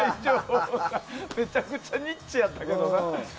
めちゃくちゃニッチやけどな。